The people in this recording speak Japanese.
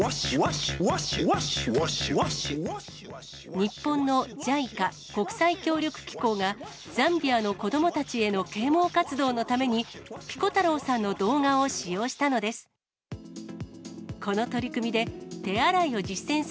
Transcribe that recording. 日本のＪＩＣＡ・国際協力機構が、ザンビアの子どもたちへの啓もう活動のために、ピコ太郎さんの動画を使用したのです。